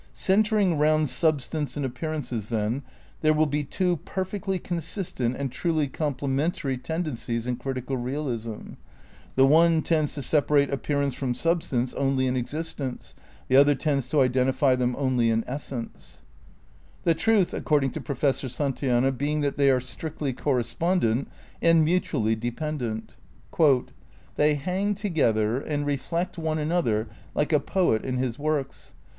Centreing round substance and appearances, then, there will be two "perfectly consistent and truly com plementary" tendencies in critical realism: "the one tends to separate appearance from substance only in existence; the other t«nds to identify them only in essence"; The truth, according to Professor Santayana, being that they are strictly correspondent and mutually de pendent :^ Three Proofs of Bealism {Essays in Critical Bealism) , p. 165. in THE CRITICAL PREPARATIONS 125 "they hang together and reflect one another like a poet and his works.